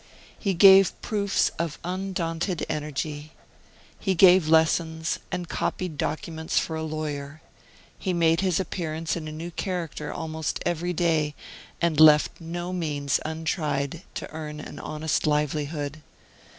He gave proofs of undaunted energy. He gave lessons, and copied documents for a lawyer. He made his appearance in a new character almost every day, and left no means untried to earn an honest livelihood.